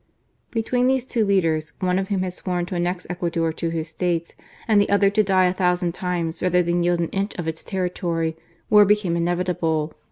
Between these two leaders, one of whom had sworn to annex Ecuador to his States, and the other to die a thousand times rather than yield an inch of its territory, war became inevitable.